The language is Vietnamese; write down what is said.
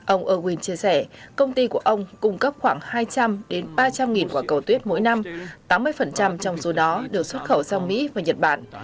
ông awin chia sẻ công ty của ông cung cấp khoảng hai trăm linh ba trăm linh quả cầu tuyết mỗi năm tám mươi trong số đó được xuất khẩu sang mỹ và nhật bản